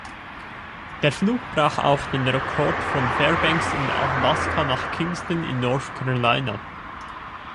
Der Flug brach auch den Rekord von Fairbanks in Alaska nach Kinston in North Carolina.